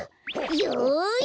よし！